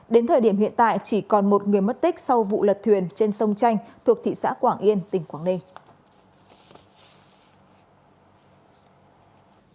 đến thời điểm hiện tại chỉ còn một người mất tích sau vụ lật thuyền trên sông chanh thuộc thị xã quảng yên tỉnh quảng ninh